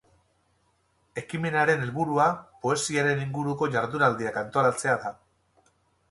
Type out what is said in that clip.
Ekimenaren helburua poesiaren inguruko jaurdunaldiak antolatzea da.